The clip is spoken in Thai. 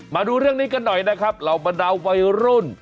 มาดูเรื่องนี้กันหน่อยนะครับเหล่าบรรดาวัยรุ่น